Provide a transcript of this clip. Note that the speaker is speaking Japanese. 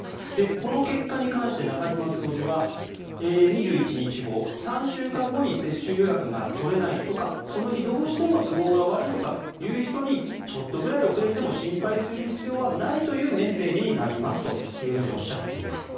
この結果に関して中島教授は２１日後、３週間後に接種予約が取れないとかその日、どうしても都合が悪いとかいう人にちょっとぐらい遅れても心配する必要はないというメッセージになりますというふうにおっしゃっています。